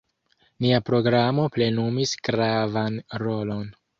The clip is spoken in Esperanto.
Nia programo plenumis gravan rolon.